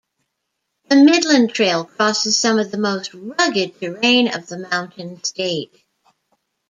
The Midland Trail crosses some of the most rugged terrain of the Mountain State.